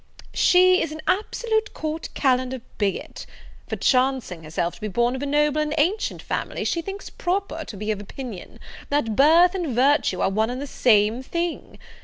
"She is an absolute Court Calendar bigot; for, chancing herself to be born of a noble and ancient family, she thinks proper to be of opinion, that birth and virtue are one and the same thing.